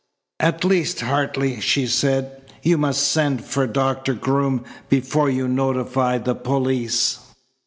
"At least, Hartley," she said, "you must send for Doctor Groom before you notify the police."